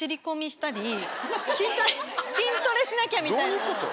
どういうこと？